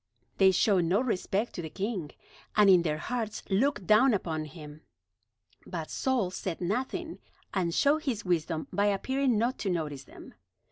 They showed no respect to the king, and in their hearts looked down upon him. But Saul said nothing, and showed his wisdom by appearing not to notice them.